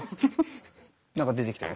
何か出てきたよ。